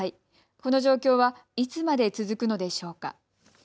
この状況はいつまで続くのでしょうか。